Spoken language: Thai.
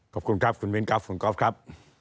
ขอบคุณครับคุณมิ้นครับคุณก๊อฟครับ